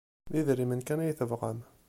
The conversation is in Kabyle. D idrimen kan ay tebɣam.